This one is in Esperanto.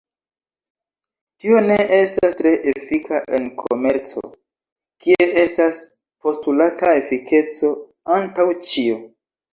Tio ne estas tre efika en komerco, kie estas postulata efikeco antaŭ ĉio.